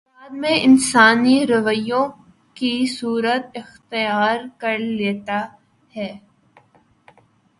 جو بعد میں انسانی رویوں کی صورت اختیار کر لیتا ہے